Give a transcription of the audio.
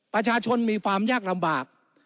ประชาชนมีความยากลำบาก